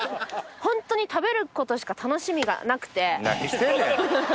ホントに食べることしか楽しみがなくて。